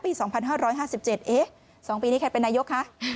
๒ปีนี้แค่เป็นนายก